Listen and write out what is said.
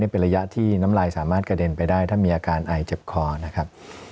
เป็นระยะที่น้ำลายสามารถกระเด็นไปได้ถ้ามีอาการไอเจ็บคอนะครับ